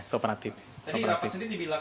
kooperatif iya kooperatif